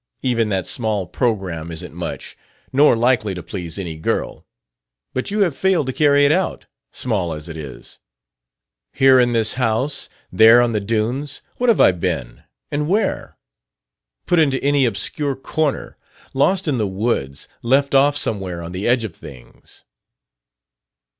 Even that small programme isn't much nor likely to please any girl; but you have failed to carry it out, small as it is. Here in this house, there on the dunes, what have I been and where? Put into any obscure corner, lost in the woods, left off somewhere on the edge of things...."